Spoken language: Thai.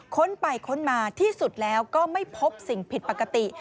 ค้นไปค้นมาที่สุดแล้วก็ไม่พบสิ่งผิดปกติ